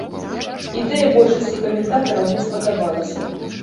Ідэя большасці каментатараў не спадабалася.